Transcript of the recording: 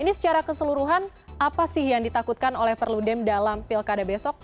ini secara keseluruhan apa sih yang ditakutkan oleh perludem dalam pilkada besok